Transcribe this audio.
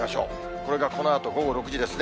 これがこのあと午後６時ですね。